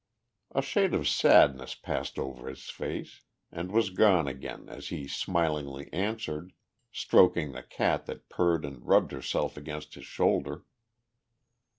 A shade of sadness passed over his face, and was gone again, as he smilingly answered, stroking the cat that purred and rubbed herself against his shoulder.